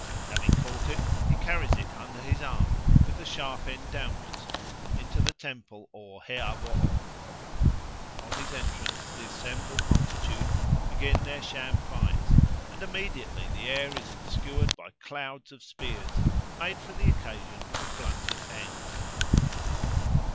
Having caught it, he carries it under his arm, with the sharp end downwards, into the temple or heavoo. On his entrance, the assembled multitude begin their sham fights, and immediately the air is obscured by clouds of spears, made for the occasion with blunted ends.